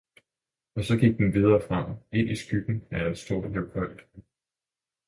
Og så gik den videre frem, ind i skyggen af en stor levkøj.